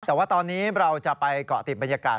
แต่ว่าตอนนี้เราจะไปเกาะติดบรรยากาศ